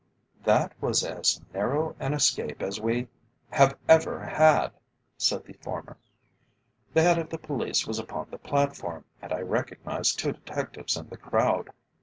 "That was as narrow an escape as we have ever had," said the former. "The Head of the Police was upon the platform, and I recognised two detectives in the crowd.